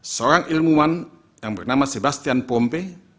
seorang ilmuwan yang bernama sebastian pompe